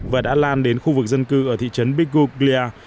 và đã lan đến khu vực dân cư ở thị trấn bigopia